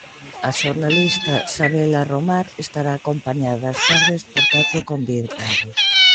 A xornalista Sabela Romar estará acompañada ás tardes por catro convidados.